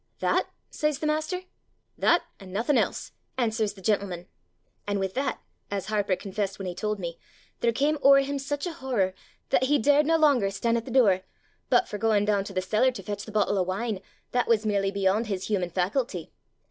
'That?' says the master. 'That, and nothing else!' answers the gentleman. And with that, as Harper confessed when he told me, there cam ower him such a horror, that he daured nae longer stan' at the door; but for gaein' doon to the cellar to fetch the bottle o' wine, that was merely beyond his human faculty.